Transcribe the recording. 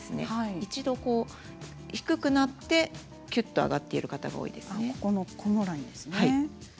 一度低くなってきゅっと上がっている方が多いです。